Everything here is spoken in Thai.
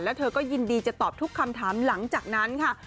แล้วเธอก็ยินดีจะตอบทุกคำถามหลังจากนั้นค่ะ